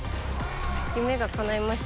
夢がかないました